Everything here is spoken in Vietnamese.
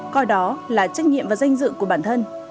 coi đó là trách nhiệm và danh dự của bản thân